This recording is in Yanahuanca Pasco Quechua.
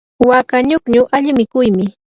waka ñukñu alli mikuymi.